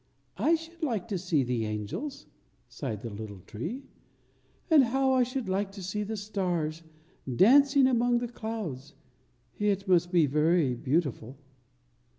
"How I should like to see the angels!" sighed the little tree, "and how I should like to see the stars dancing among the clouds! It must be very beautiful."